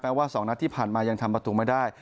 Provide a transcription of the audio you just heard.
ว่า๒นัดที่ผ่านมายังทำประตูไม่ได้